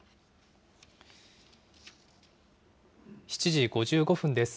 ７時５５分です。